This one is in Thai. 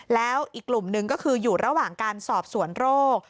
แล้วอีกกลุ่มหนึ่งก็คืออยู่ระหว่างการสอบสวนโรค